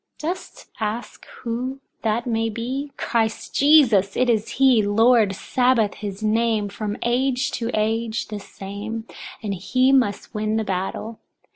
Dost ask who that may be? Christ Jesus, it is he; Lord Sabbaoth, his name, from age to age the same, and he must win the battle.